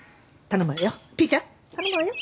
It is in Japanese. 頼むわよ！